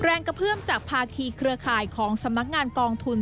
แรงกระเพื่อมจากภาคีเครือข่ายของสำนักงานกองทุน